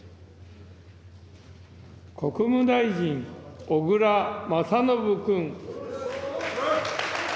国務大臣、小倉將信君。